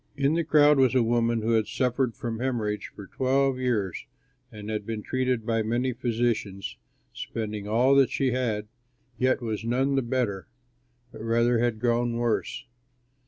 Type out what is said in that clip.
In the crowd was a woman who had suffered from hemorrhage for twelve years and had been treated by many physicians, spending all that she had, yet was none the better, but rather had grown worse.